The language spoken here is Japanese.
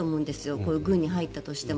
こういう軍に入ったとしても。